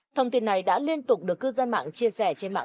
thông tin này đã liên tục được cư dân mạng chia sẻ